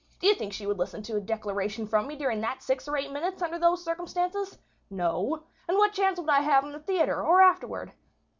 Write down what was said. Do you think she would listen to a declaration from me during that six or eight minutes under those circumstances? No. And what chance would I have in the theatre or afterward?